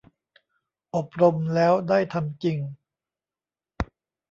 อบรมแล้วได้ทำจริง